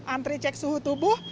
antri cek suhu tubuh